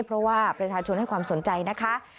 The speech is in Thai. เพราะว่าประชาชนให้ความสนใจนะคะ